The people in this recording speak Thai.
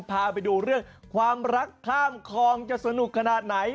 พาไปดูเรื่องความรักข้ามคลองจะสนุกขนาดไหน